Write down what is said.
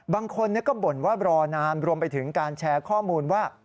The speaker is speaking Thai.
บางคนก็บ่นว่ารอนานรวมไปถึงการแชร์ข้อมูลว่า